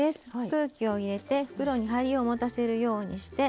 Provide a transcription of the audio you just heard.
空気を入れて袋にはりをもたせるようにして。